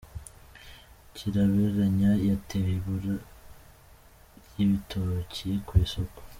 Kirabiranya yateye ibura ry’ibitoki ku isoko